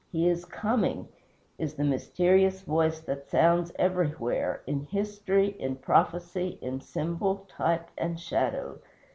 HE IS COMING, is the mysterious voice that sounds everywhere, in history, in prophecy, in symbol, type, and shadow.